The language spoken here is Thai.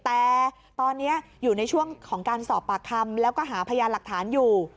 แต่ตอนนี้อยู่ในช่วงของการสอบปากคำแล้วก็หาพยานหลักฐานอยู่